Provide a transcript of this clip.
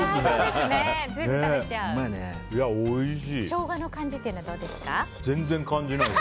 ショウガの感じはどうですか？